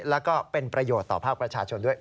แล้วก็เป็นประโยชน์ต่อภาคประชาชนด้วย